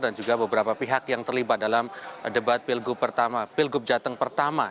dan juga beberapa pihak yang terlibat dalam debat pilgub jateng pertama